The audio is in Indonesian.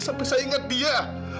sampai saya ingat dia